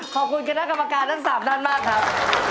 ขอบคุณคุณหน้ากรรมการทั้ง๓นานบ้างครับ